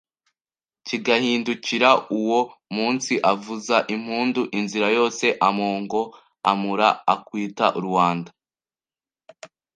Kigahindukira uwo munsi avuza impundu inzira yose Amogo amura akuita ruanda